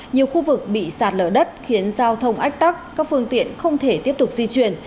nhiều khu vực bị sạt lở đất khiến giao thông ách tắc các phương tiện không thể tiếp tục di chuyển